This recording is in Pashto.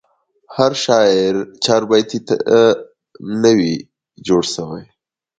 هر شاعر چاربیتې ته نه وي جوړسوی.